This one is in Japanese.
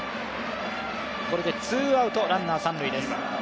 これでツーアウトランナー、三塁です。